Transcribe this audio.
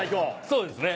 そうですね。